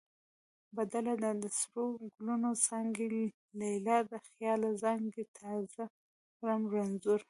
بدله ده: د سرو ګلونو څانګې لیلا د خیاله زانګې تا زه کړمه رنځور